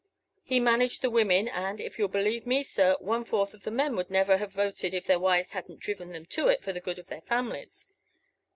He managed the women; and, if you'll believe me, sir, one fourth of the men would never have voted if their wives hadn't driven them to it for the good of their families.